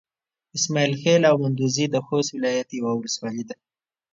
اسماعيل خېل او مندوزي د خوست ولايت يوه ولسوالي ده.